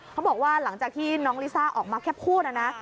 เขาบอกว่าหลังจากที่น้องลิซ่าออกมาแค่พูดนะนะ